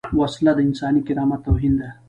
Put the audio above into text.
وسله د انساني کرامت توهین ده